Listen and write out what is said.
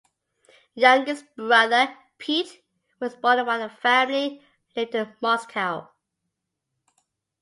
Youngest brother Pete was born while the family lived in Moscow.